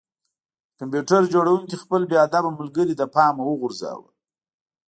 د کمپیوټر جوړونکي خپل بې ادبه ملګری له پامه وغورځاوه